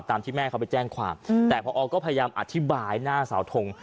ที่แม่เขาไปแจ้งความแต่พอก็พยายามอธิบายหน้าเสาทง